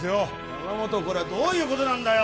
山本これはどういうことなんだよ！